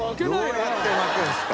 どうやって巻くんですか？